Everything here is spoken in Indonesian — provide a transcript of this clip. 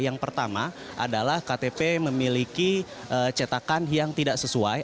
yang pertama adalah ktp memiliki cetakan yang tidak sesuai